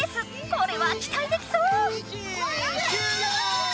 これはきたいできそう！